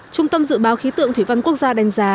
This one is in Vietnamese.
trung tâm dự báo khí tượng thủy văn quốc gia đánh giá